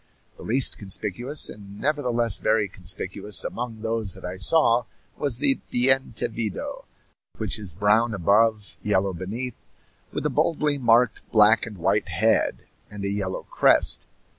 The least conspicuous, and nevertheless very conspicuous, among those that I saw was the bientevido, which is brown above, yellow beneath, with a boldly marked black and white head, and a yellow crest.